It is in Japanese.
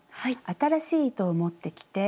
新しい糸を持ってきて。